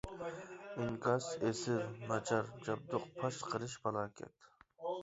ئىنكاس ئېسىل ناچار جابدۇق پاش قىلىش پالاكەت.